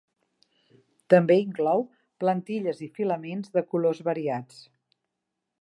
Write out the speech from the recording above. També inclou plantilles i filaments de colors variats.